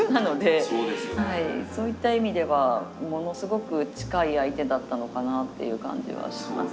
そういった意味ではものすごく近い相手だったのかなっていう感じはします。